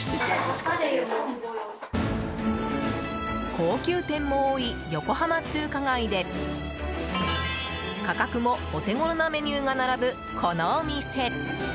高級店も多い横浜中華街で価格もお手ごろなメニューが並ぶこのお店。